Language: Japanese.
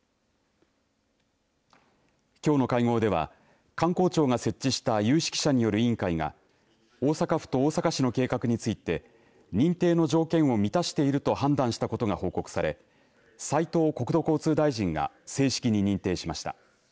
きょうの会合では観光庁が設置した有識者による委員会が大阪府と大阪市の計画について認定の条件を満たしていると判断したことが報告され斉藤国土交通大臣が正式に認定しました。